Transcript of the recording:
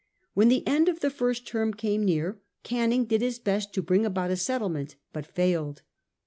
When the end of the first term came near, Canning did his best to bring about a settlement, but failed.